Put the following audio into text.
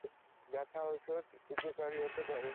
ব্যথা ঔষধ উপকারী হতে পারে।